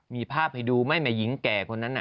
มีภาพให้ดูไม่แม่หญิงแก่คนนั้นน่ะ